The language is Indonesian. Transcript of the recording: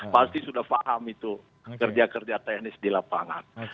pasti sudah paham itu kerja kerja teknis di lapangan